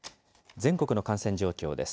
全国の感染状況です。